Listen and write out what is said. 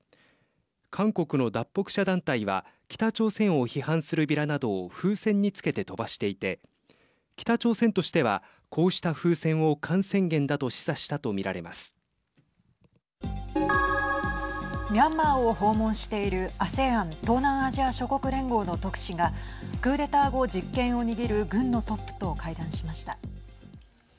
韓国の脱北者団体は北朝鮮を批判するビラなどを風船につけて飛ばしていて北朝鮮としては、こうした風船を感染源だとミャンマーを訪問しているＡＳＥＡＮ＝東南アジア諸国連合の特使がクーデター後、実権を握る軍のトップと会談しました。